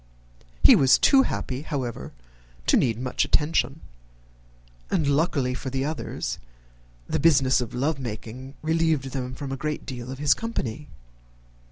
He was too happy, however, to need much attention; and, luckily for the others, the business of love making relieved them from a great deal of his company.